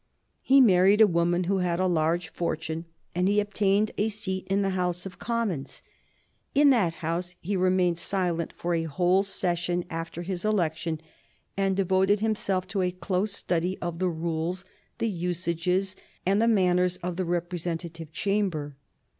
He married a woman who had a large fortune, and he obtained a seat in the House of Commons. In that House he remained silent for a whole session after his election, and devoted himself to a close study of the rules, the usages, and the manners of the representative chamber.